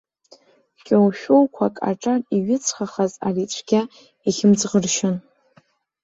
Кьоу-шәоуқәак аҿар иҩыҵхахаз ари цәгьа ихьымӡӷыршьон.